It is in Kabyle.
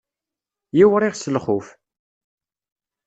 Yiwriɣ s lxuf.